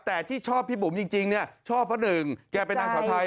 แต่ที่ชอบพี่บุ๋มจริงเนี่ยชอบเพราะหนึ่งแกเป็นนางสาวไทย